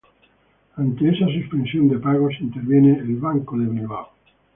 Ante esa suspensión de pagos interviene el Banco de Bilbao.